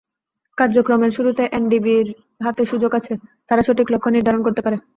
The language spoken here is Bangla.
কার্যক্রমের শুরুতে এনডিবির হাতে সুযোগ আছে, তারা সঠিক লক্ষ্য নির্ধারণ করতে পারে।